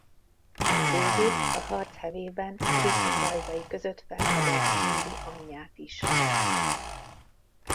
David a harc hevében Griffin rajzai között felfedezni véli anyját is.